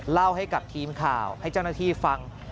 เล่าให้กับทีมข่าวให้เจ้าหน้าที่ฟัง